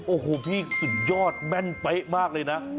โอ้โหพี่สุดยอดแม่นเป๊ะมากเลยนะ